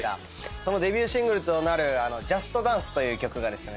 そのデビューシングルとなる『ＪＵＳＴＤＡＮＣＥ！』という曲がですね